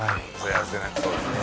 やるせないそうですね。